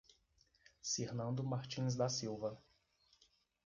Cirnando Martins da Silva